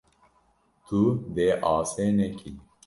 Tu dê asê nekî.